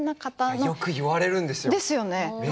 それよく言われるんですよ。